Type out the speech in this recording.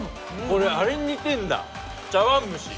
これあれに似てんだ茶碗蒸し。